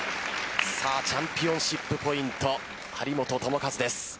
チャンピオンシップポイント張本智和です。